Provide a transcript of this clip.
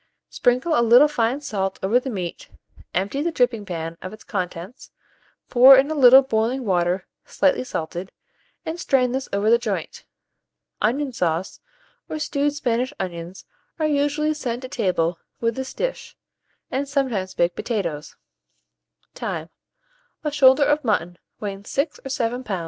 Sprinkle a little fine salt over the meat, empty the dripping pan of its contents, pour in a little boiling water slightly salted, and strain this over the joint. Onion sauce, or stewed Spanish onions, are usually sent to table with this dish, and sometimes baked potatoes. Time. A shoulder of mutton weighing 6 or 7 lbs.